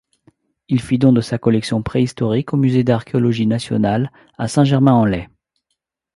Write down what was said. Il fit don de sa collection préhistorique au Musée d'Archéologie nationale à Saint-Germain-en-Laye.